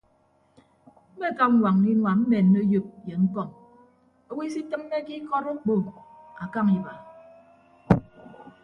Mmekap ñwañña inua mmenne oyop ye ñkọm owo isitịmmeke ikọt okpo akañ iba.